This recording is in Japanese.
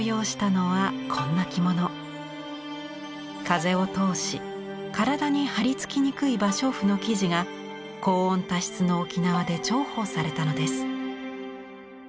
風を通し体に貼りつきにくい芭蕉布の生地が高温多湿の沖縄で重宝されたのです。